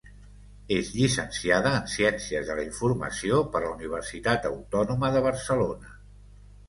És llicenciada en Ciències de la Informació per la Universitat Autònoma de Barcelona.